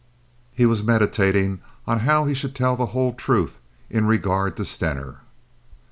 He was meditating on how he should tell the whole truth in regard to Stener.